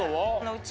うち。